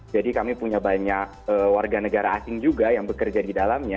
jadi kami punya banyak warga negara asing juga yang bekerja di dalamnya